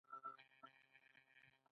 وروسته دوی د اضافي پانګې خاوندان ګرځي